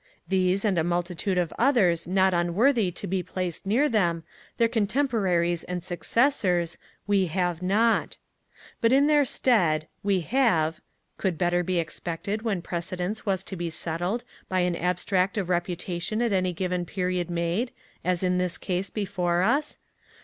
These, and a multitude of others not unworthy to be placed near them, their contemporaries and successors, we have not. But in their stead, we have (could better be expected when precedence was to be settled by an abstract of reputation at any given period made, as in this case before us?)